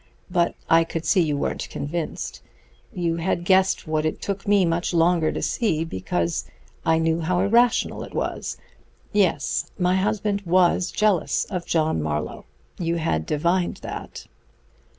But I could see you weren't convinced. You had guessed what it took me much longer to see, because I knew how irrational it was. Yes; my husband was jealous of John Marlowe; you had divined that.